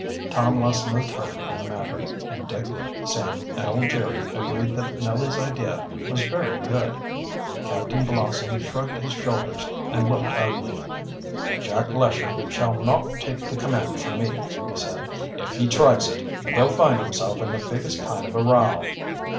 Tom lost no time in the matter, and Dick, Sam, and old Jerry agreed that Nellie's idea was very good. Captain Blossom shrugged his shoulders and looked ugly. "Jack Lesher shall not take the command from me," he said. "If he tries it, he'll find himself in the biggest kind of a row."